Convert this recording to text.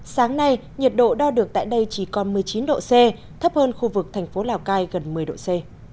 sáng nay nhiệt độ đo được tại đây chỉ còn một mươi chín độ c thấp hơn khu vực thành phố lào cai gần một mươi độ c